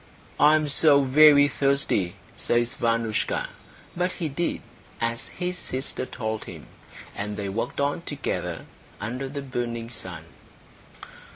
"I am so very thirsty," says Vanoushka; but he did as his sister told him, and they walked on together under the burning sun.